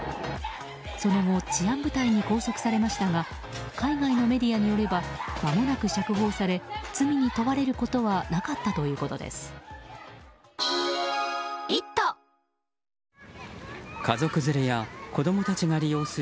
その後治安部隊に拘束されましたが海外のメディアによればまもなく釈放され罪に問われることはなかったということです。